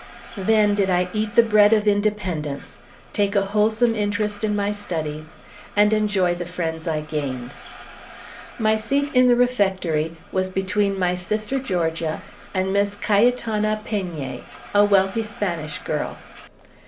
Then did I eat the bread of independence, take a wholesome interest in my studies, and enjoy the friends I gained! My seat in the refectory was between my sister Georgia and Miss Cayitana Payñe, a wealthy Spanish girl.